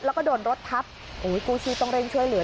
แล้วก็โดนรถทับกู้ชีพต้องเร่งช่วยเหลือ